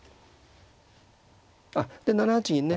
あっで７八銀ね。